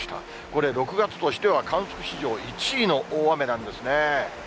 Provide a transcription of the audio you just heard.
これ、６月としては観測史上１位の大雨なんですね。